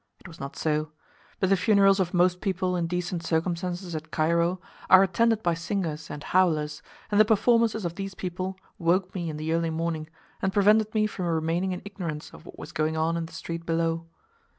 It was not so; but the funerals of most people in decent circumstances at Cairo are attended by singers and howlers, and the performances of these people woke me in the early morning, and prevented me from remaining in ignorance of what was going on in the street below.